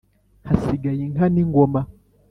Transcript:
hasigaye inka n' ingoma.